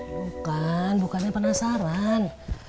bukan bukannya penasaran